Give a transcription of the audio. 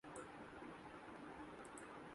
premiere League football Tottenham نے Watford کو شکست دیدی